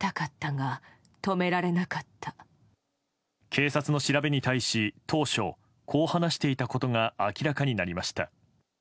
警察の調べに対し当初、こう話していたことが明らかになりました。